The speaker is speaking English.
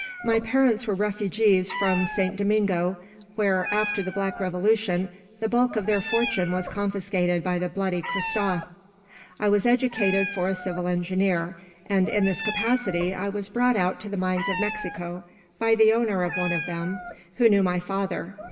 My parents were refugees from Saint Domingo, where, after the black revolution, the bulk of their fortune was confiscated by the bloody Christophe. "I was educated for a civil engineer; and, in this capacity, I was brought out to the mines of Mexico, by the owner of one of them, who knew my father.